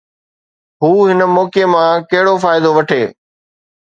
هو هن موقعي مان ڪهڙو فائدو وٺي؟